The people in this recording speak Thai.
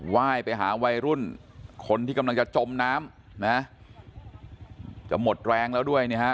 ว่ายไปหาวัยรุ่นคนที่กำลังจะจมน้ำนะจะหมดแรงแล้วด้วยนะฮะ